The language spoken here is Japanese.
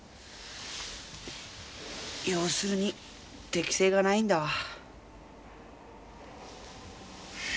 要するに適性がないんだわ。